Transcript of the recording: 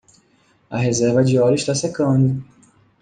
A reserva de óleo está secando.